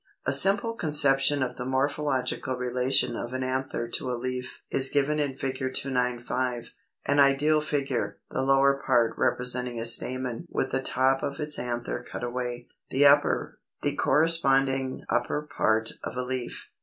] 289. A simple conception of the morphological relation of an anther to a leaf is given in Fig. 295, an ideal figure, the lower part representing a stamen with the top of its anther cut away; the upper, the corresponding upper part of a leaf.